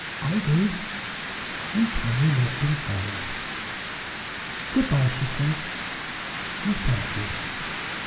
"I do!" and Tiny loved him for it. "Good by!" she said, "and thank you!